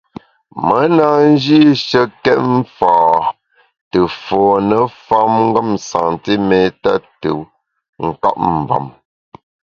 Me na njîshekét mfâ te fône famngem santiméta te nkap mvem.